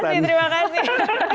terima kasih terima kasih